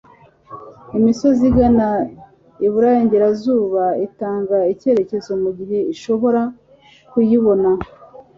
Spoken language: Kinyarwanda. imisozi igana iburengerazuba itanga icyerecyezo mugihe ushobora kuyibona.